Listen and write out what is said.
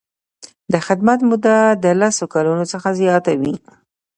د خدمت موده له لس کلونو څخه زیاته وي.